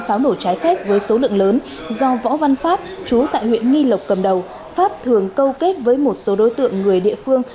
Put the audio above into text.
pháo nổ trái phép với số lượng lớn do võ văn pháp chú tại huyện nghi lộc cầm đầu pháp thường câu kết với một số đối tượng người địa phương